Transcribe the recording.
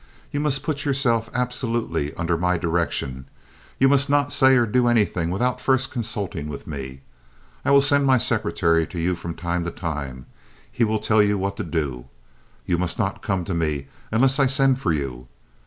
You must put yourself absolutely under my direction. You must not say or do anything without first consulting with me. I will send my secretary to you from time to time. He will tell you what to do. You must not come to me unless I send for you.